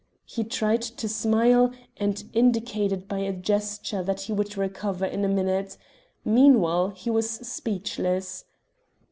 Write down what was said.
He tried to smile, and indicated by a gesture that he would recover in a minute. Meanwhile he was speechless.